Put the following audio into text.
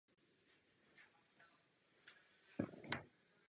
Později se tohoto výrazu užívá o jeho původních obyvatelích.